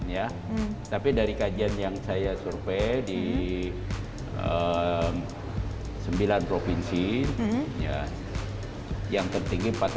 ya tapi dari kajian yang saya survei di sembilan provinsi yang tertinggi rp empat ratus empat puluh enam juta